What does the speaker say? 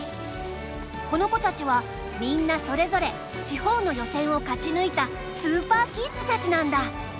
この子たちはみんなそれぞれ地方の予選を勝ち抜いたスーパーキッズたちなんだ。